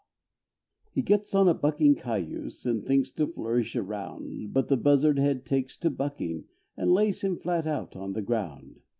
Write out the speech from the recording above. He gets on a bucking cayuse And thinks to flourish around, But the buzzard head takes to bucking And lays him flat out on the ground.